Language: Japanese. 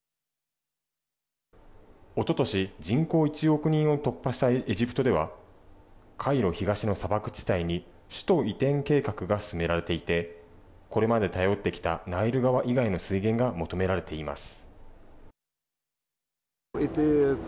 おととし、人口１億人を突破したエジプトではカイロ東の砂漠地帯に首都移転計画が進められていてこれまで頼ってきたナイル川以外の水源が求められています。